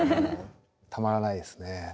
たまらないですね。